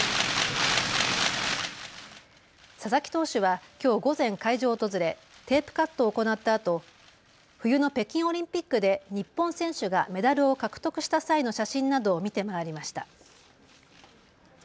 佐々木投手はきょう午前、会場を訪れ、テープカットを行ったあと冬の北京オリンピックで日本選手がメダルを獲得した際の写真などを見て回りました。